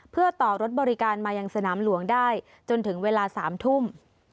เพื่อต่อรถบริการมายังสนามหลวงได้จนถึงเวลา๓ทุ่ม